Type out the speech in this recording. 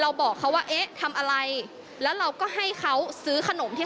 เพราะอยากจะเตือนอยากจะให้เข็ดหลาบนี่คือเหตุผล